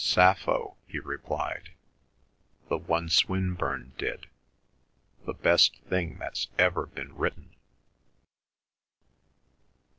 "Sappho," he replied. "The one Swinburne did—the best thing that's ever been written."